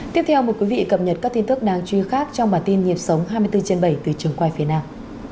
tiếp theo mời quý vị cập nhật các tin tức đáng chú ý khác trong bản tin nhịp sống hai mươi bốn trên bảy từ trường quay phía nam